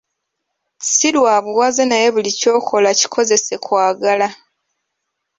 Si lwa buwaze naye buli ky'okola kikozese kwagala.